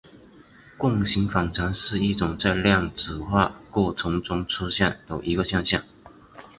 共形反常是一种在量子化过程中出现的一个现象。